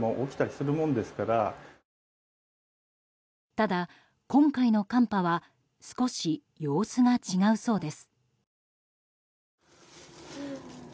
ただ、今回の寒波は少し様子が違うそうです。